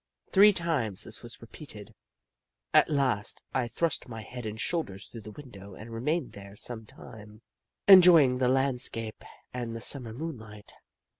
Three times this was repeated. At last, I thrust my head and shoulders through the window and remained there some time, enjoying the land scape and the Summer moonlight.